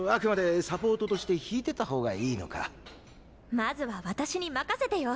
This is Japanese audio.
まずは私に任せてよ。